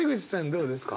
どうですか？